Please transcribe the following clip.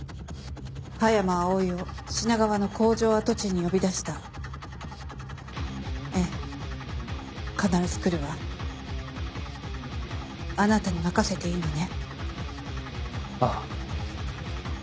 葉山葵を品川の工場跡地に呼び出したええ必ず来るわあなたに任せていいのね？